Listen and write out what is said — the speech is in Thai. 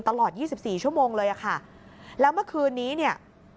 ตลอด๒๔ชั่วโมงเลยค่ะแล้วเมื่อคืนนี้เนี่ย